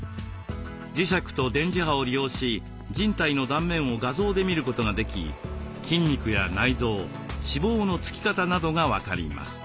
磁石と電磁波を利用し人体の断面を画像で見ることができ筋肉や内臓脂肪のつき方などが分かります。